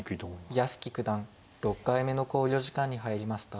屋敷九段６回目の考慮時間に入りました。